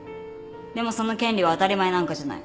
でもその権利は当たり前なんかじゃない。